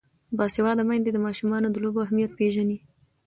باسواده میندې د ماشومانو د لوبو اهمیت پېژني.